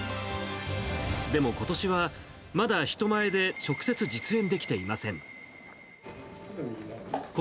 でもことしは、まだ人前で直接実演できていません。